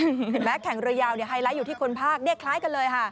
เห็นไหมแข่งเรือยาวไฮไลท์อยู่ที่คนภาคเนี่ยคล้ายกันเลยค่ะ